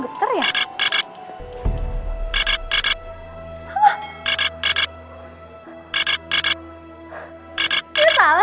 s gri berkelanjang terlihat